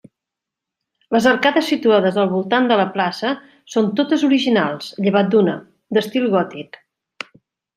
Les arcades situades al voltant de la plaça són totes originals, llevat d'una, d'estil gòtic.